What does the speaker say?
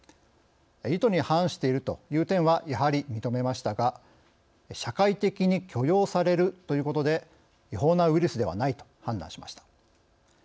意図に反しているという点はやはり認めましたが社会的に許容されるということで違法なウイルスではないと判断しました。